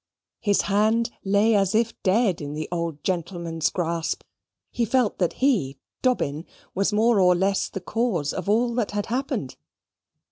His hand lay as if dead in the old gentleman's grasp. He felt that he, Dobbin, was more or less the cause of all that had happened.